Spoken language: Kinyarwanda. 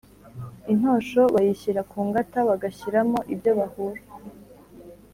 Intosho bayishyira ku ngata bagashyiramo ibyo bahura.